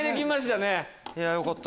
よかった。